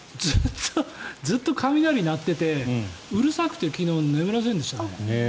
ずっと雷鳴っててうるさくて昨日、眠れませんでした。